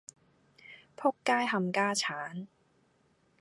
僕街冚家鏟